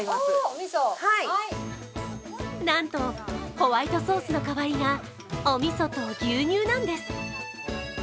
なんと、ホワイトソースの代わりがおみそと牛乳なんです。